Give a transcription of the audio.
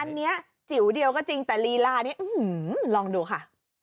อันนี้จิ๋วเดียวก็จริงแต่ลีลานี่อื้อหือหือลองดูค่ะ